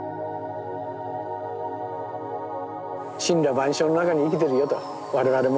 森羅万象の中に生きてるよと我々も。